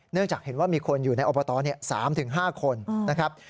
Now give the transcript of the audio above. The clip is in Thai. จากเห็นว่ามีคนอยู่ในอบต๓๕คนนะครับ